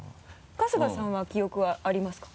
春日さんは記憶はありますか？